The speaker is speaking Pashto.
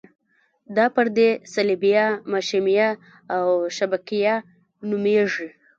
دا پردې صلبیه، مشیمیه او شبکیه نومیږي.